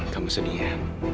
kamu sedih ya